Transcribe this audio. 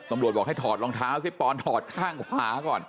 บอกให้ถอดรองเท้าสิปอนถอดข้างขวาก่อน